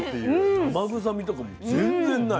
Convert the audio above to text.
生臭みとかも全然ない。